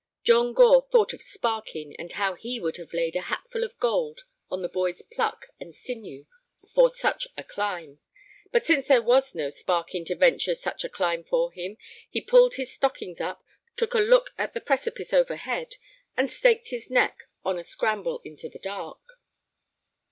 John Gore thought of Sparkin, and how he would have laid a hatful of gold on the boy's pluck and sinew for such a climb. But since there was no Sparkin to venture such a climb for him, he pulled his stockings up, took a look at the precipice overhead, and staked his neck on a scramble into the dark.